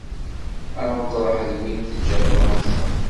Ameṭreḥ d win teǧǧa Fransa.